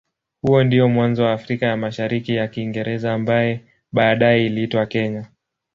Huo ndio mwanzo wa Afrika ya Mashariki ya Kiingereza ambaye baadaye iliitwa Kenya.